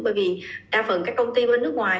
bởi vì đa phần các công ty ở nước ngoài